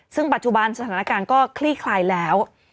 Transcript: ซึ่งปัจจุบันสถานการณ์ก็คลี่คลายแล้ว